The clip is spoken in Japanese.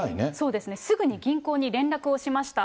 そうですね、すぐに銀行に連絡をしました。